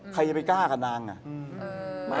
ใครจะไปกล้ากับน้ำน้ำ